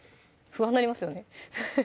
不安になりますよね